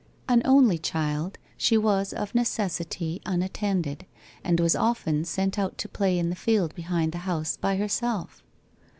An only child, she was of necessity unattended, and was often sent out to play in the field behind the house by herself.